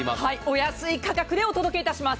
お安い価格でお届けいたします。